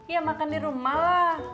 ya makan di rumah lah